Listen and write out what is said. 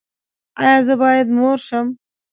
ایا زه باید مور شم؟